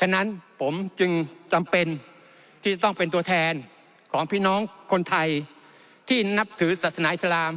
ฉะนั้นผมจึงจำเป็นที่จะต้องเป็นตัวแทนของพี่น้องคนไทยที่นับถือศาสนาอิสลาม